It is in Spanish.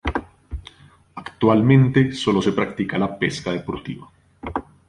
Actualmente sólo se practica la pesca deportiva.